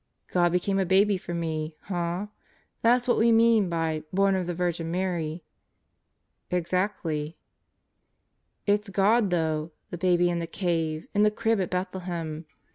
God became a Baby for me, huh? That's what we mean by 'born of the Virgin Mary'?" "Exactly." "It's God though the Baby in the cave, in the Crib at Bethlehem